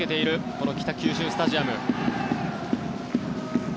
この北九州スタジアム。